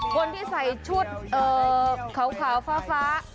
คนที่ใส่ชุดขาวฟ้า